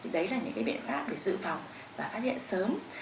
đấy là những bệnh pháp để giữ phòng và phát hiện sớm